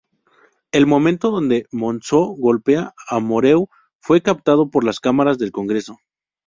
El momento donde Monzó golpea a Moreau fue captado por las cámaras del Congreso.